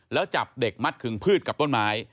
แล้วจับเด็กมัดขึงพืชกับต้นไม้